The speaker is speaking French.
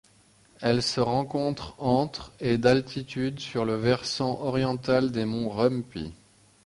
Elle se rencontre entre et d'altitude sur le versant oriental des monts Rumpi.